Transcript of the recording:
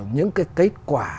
những cái kết quả